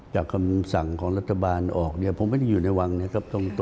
คำสั่งของรัฐบาลออกเนี่ยผมไม่ได้อยู่ในวังนะครับ